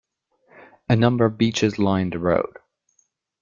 A number of beaches line the road.